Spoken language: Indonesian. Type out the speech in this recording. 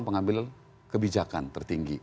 dalam pengambilan kebijakan tertinggi